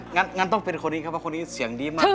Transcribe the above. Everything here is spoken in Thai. กานะต้องเป็นคนนี้ครับเพราะว่าคนนี้เสียงดีมากครับ